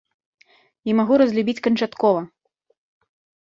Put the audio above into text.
І магу разлюбіць канчаткова!